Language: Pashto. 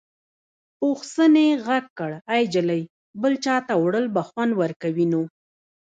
پوخ سنې غږ کړ ای جلۍ بل چاته وړل به خوند ورکوي نو.